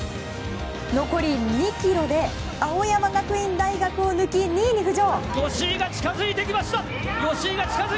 残り２ｋｍで青山学院大学を抜き２位に浮上。